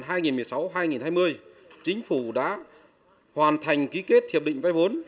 trong giai đoạn hai nghìn một mươi sáu hai nghìn hai mươi chính phủ đã hoàn thành ký kết thiệp định bài vốn